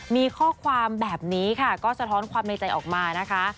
มีข้อความแบบนี้ค่ะก็สะท้อนความในใจออกมานะคะ